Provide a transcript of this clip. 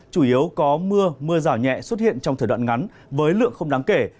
chủ yếu có mưa mưa rào nhẹ xuất hiện trong thời đoạn ngắn với lượng không đáng kể